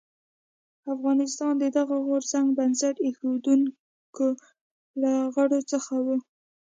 افغانستان د دغه غورځنګ بنسټ ایښودونکو له غړو څخه و.